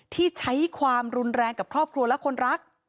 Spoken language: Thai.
ที่ใช้ความรุนแรงกับครอบครัวและคนรัก